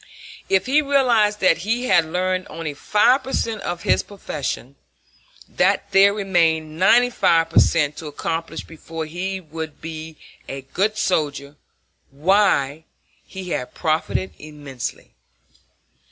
If he realized that he had learned only five per cent of his profession, that there remained ninety five per cent to accomplish before he would be a good soldier, why, he had profited immensely.